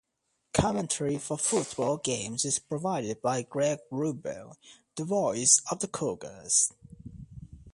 Commentary for football games is provided by Greg Wrubell, the Voice of the Cougars.